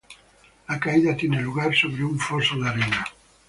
La caída tiene lugar sobre un foso de arena.